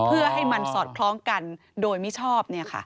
เพื่อให้มันสอดคล้องกันโดยมิชอบ